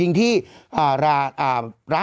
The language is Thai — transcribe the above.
น่ารักมาก